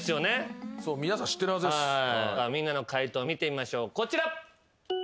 みんなの解答見てみましょうこちら。